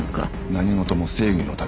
何事も正義のため。